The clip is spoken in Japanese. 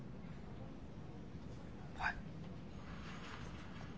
はい。